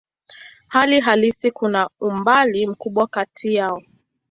Hali halisi kuna umbali mkubwa kati yao.